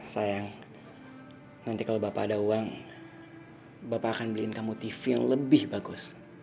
sayang nanti kalau bapak ada uang bapak akan beliin kamu tv yang lebih bagus